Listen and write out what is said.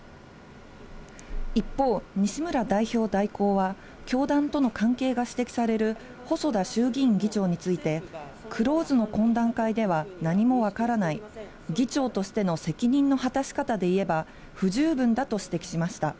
一方、西村代表代行は、教団との関係が指摘される、細田衆議院議長について、クローズの懇談会では何も分からない、議長としての責任の果たし方でいえば、不十分だと指摘しました。